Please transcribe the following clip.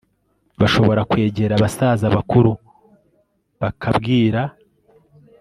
bashobora kwegera abasaza bakuru bakabwira